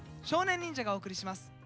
少年忍者がお送りします。